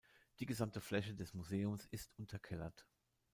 Die gesamte Fläche des Museums ist unterkellert.